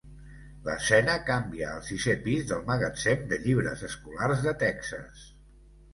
L'escena canvia al sisè pis del Magatzem de Llibres Escolars de Texas.